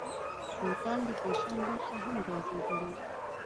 بوتل د فیشن برخه هم ګرځېدلې.